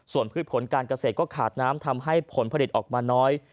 ส่วนพืชผลการเกษตรก็ขาดน้ำทำให้ผลผลิตออกมาน้อย